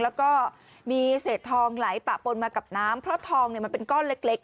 แล้วก็มีเศษทองไหลปะปนมากับน้ำเพราะทองมันเป็นก้อนเล็ก